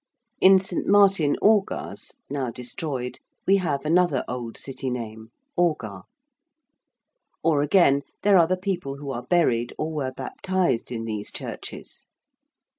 In St. Martin Orgar's now destroyed we have another old City name Orgar. Or, again, there are the people who are buried or were baptised in these churches.